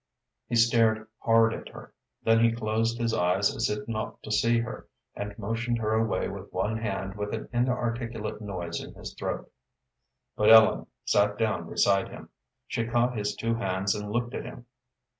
He stared hard at her, then he closed his eyes as if not to see her, and motioned her away with one hand with an inarticulate noise in his throat. But Ellen sat down beside him. She caught his two hands and looked at him.